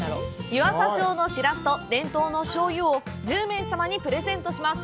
「湯浅町のしらすと伝統の醤油」を１０名様にプレゼントします。